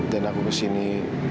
dan aku kesini